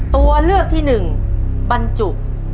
ตัวเลือกที่หนึ่งบรรจุ